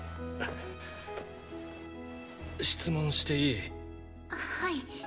質問していい？ははい。